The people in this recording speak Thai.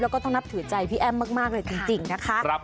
แล้วก็ต้องนับถือใจพี่แอ้มมากเลยจริงนะคะ